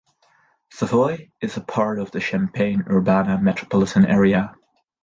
Savoy is a part of the Champaign-Urbana Metropolitan Area.